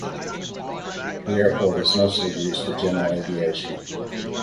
The airport is mostly used for general aviation.